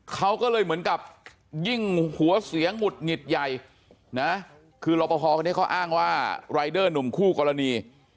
เขาก็เลยเหมือนกับยิ่งหัวเสียงหงุดหงิดใหญ่นะคือรอปภคนนี้เขาอ้างว่ารายเดอร์หนุ่มคู่กรณี